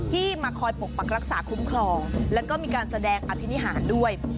มาคอยปกปักรักษาคุ้มครองแล้วก็มีการแสดงอภินิหารด้วย